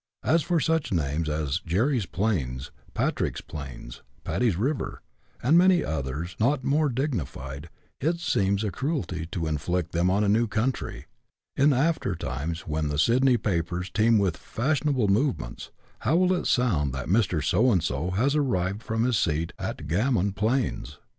As for such names as "Jerry's Plains," " Patrick's Plains," "Paddy's River," and many others not more dignified, it seems a cruelty to inflict them on a new country. In after times, when the Sydney papers teem with " fashionable movements," how will it sound that Mr. So and so has arrived from his seat at "Gammon Plains"?